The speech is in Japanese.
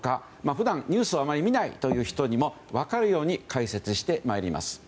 普段、ニュースをあまり見ないという人にも分かるように解説してまいります。